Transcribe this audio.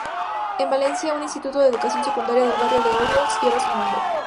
En Valencia, un Instituto de Educación Secundaria del barrio de Orriols lleva su nombre.